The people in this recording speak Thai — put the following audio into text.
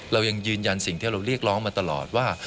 เรายังยืนยันสิ่งที่เราเรียกร้องมาตลอดว่า